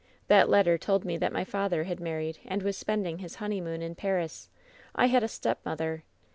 "That letter told me that my father had married and was spending his honeymoon in Paris. I had a step mother